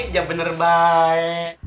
jangan bener baik